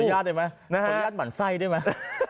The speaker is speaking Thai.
คนยาดได้มั้ยคนยาดหมั่นไส้ได้มั้ย